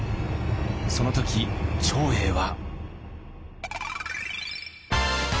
その時長英は。